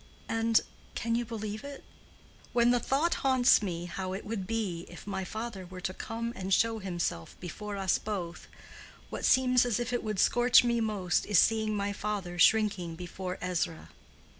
And—can you believe it? when the thought haunts me how it would be if my father were to come and show himself before us both, what seems as if it would scorch me most is seeing my father shrinking before Ezra.